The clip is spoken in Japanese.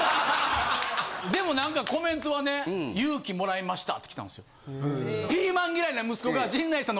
でも何かコメントはね「勇気もらいました」って来たんですよ。